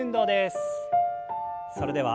それでは。